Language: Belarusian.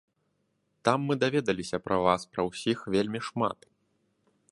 Там мы даведаліся пра вас пра ўсіх вельмі шмат.